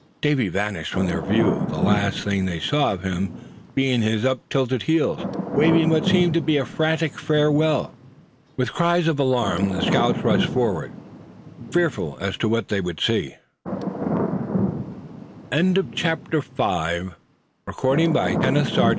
Davy vanished from their view, the last thing they saw of him being his up tilted heels, waving what seemed to be a frantic farewell. With cries of alarm the scouts rushed forward, fearful as to what they would see. CHAPTER VI. MORE SIGNS OF TROUBLE AHEAD.